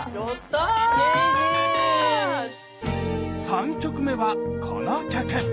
３曲目はこの曲！